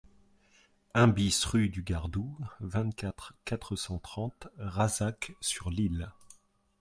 un BIS rue du Gardou, vingt-quatre, quatre cent trente, Razac-sur-l'Isle